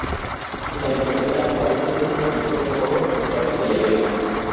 La enfermera parece ser una mujer joven, simpática y alegre.